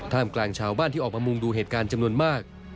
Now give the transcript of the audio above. กลางชาวบ้านที่ออกมามุงดูเหตุการณ์จำนวนมาก